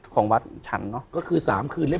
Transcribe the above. ของวัดฉันเนอะ